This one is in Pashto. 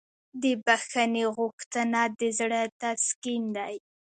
د بښنې غوښتنه د زړه تسکین دی.